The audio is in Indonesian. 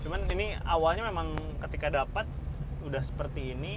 cuma ini awalnya memang ketika dapat sudah seperti ini